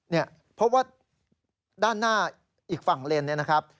เพราะว่าด้านหน้าอีกฝั่งเลนเนี่ยนะครับ